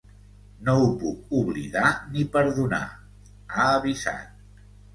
No ho puc oblidar ni perdonar, ha avisat.